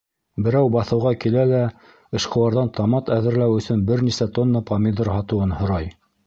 Берәү баҫыуға килә лә эшҡыуарҙан томат әҙерләү өсөн бер нисә тонна помидор һатыуын һорай.